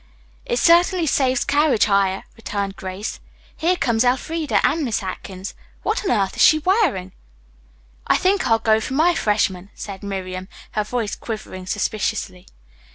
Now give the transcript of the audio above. "It certainly saves carriage hire," returned Grace. "Here comes Elfreda and Miss Atkins. What on earth is she wearing?" "I think I'll go for my freshman," said Miriam, her voice quivering suspiciously.